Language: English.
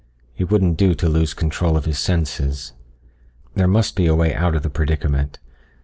It wouldn't do to lose control of his senses. There must be a way out of the predicament.